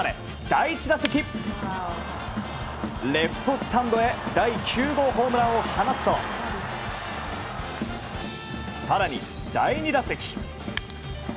第１打席、レフトスタンドへ第９号ホームランを放つと更に第２打席